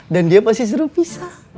dan dia pasti seru pisah